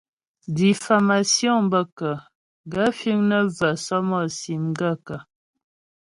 Diffámásyoŋ bə kə́ ? Gaə̂ fíŋ nə́ və̂ sɔ́mɔ́sì m gaə̂kə́ ?